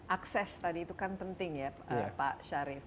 akses tadi itu kan penting ya pak syarif